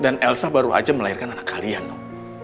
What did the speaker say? dan elsa baru aja melahirkan anak kalian noh